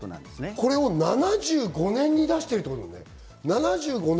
これを７５年に出しているということですね。